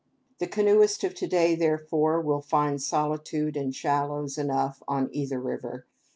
The canoeist of to day, therefore, will find solitude and shallows enough on either river.